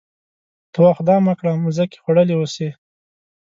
ته وا خدای مه کړه مځکې خوړلي اوسي.